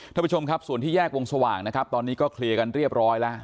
ท่านผู้ชมครับส่วนที่แยกวงสว่างนะครับตอนนี้ก็เคลียร์กันเรียบร้อยแล้ว